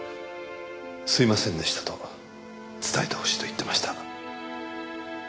すいませんでしたと伝えてほしいと言ってました。